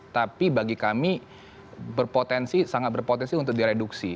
tapi bagi kami berpotensi sangat berpotensi untuk direduksi